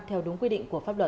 theo đúng quy định của pháp luật